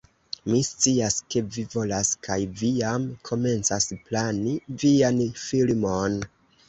Mi scias, ke vi volas kaj vi jam komencas plani vian filmon